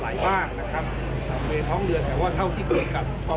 จะมีการตั้งคณะกรรมการสอบสวนเหตุที่เกิดขึ้น